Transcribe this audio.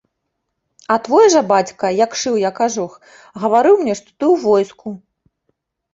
А твой жа бацька, як шыў я кажух, гаварыў мне, што ты ў войску.